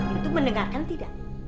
itu mendengarkan tidak